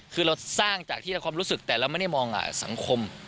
คือเราสร้างจากที่เราความรู้สึกแต่เราไม่ได้มองสังคม